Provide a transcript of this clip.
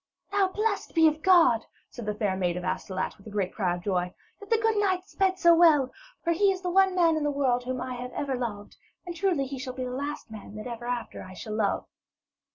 'Now, blessed be God,' said the fair maid of Astolat, with a great cry of joy, 'that the good knight sped so well; for he is the one man in the world whom I have ever loved, and truly he shall be the last man that ever after I shall love.'